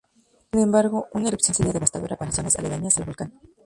Sin embargo, una erupción sería devastadora para zonas aledañas al volcán.